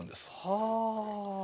はあ。